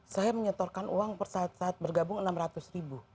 saya menyetorkan uang saat bergabung enam ratus ribu